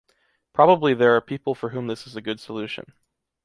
Probably there are people for whom this is a good solution.